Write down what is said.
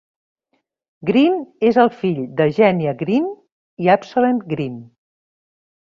Green és el fill de Genia Green i Absalom Green.